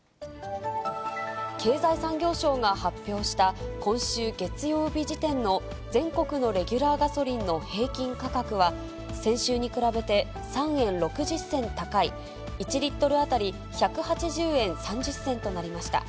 経済産業省が発表した今週月曜日時点の全国のレギュラーガソリンの平均価格は、先週に比べて３円６０銭高い、１リットル当たり１８０円３０銭となりました。